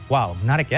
wow menarik ya